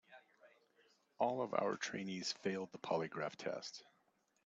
All of our trainees failed the polygraph test.